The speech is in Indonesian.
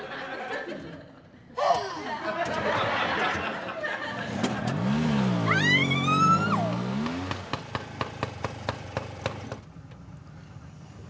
kita mau ke rumah sakit